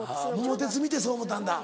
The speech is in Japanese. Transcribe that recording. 『桃鉄』見てそう思ったんだ。